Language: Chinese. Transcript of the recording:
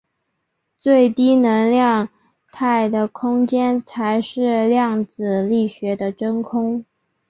最低能量态的空间才是量子力学的真空。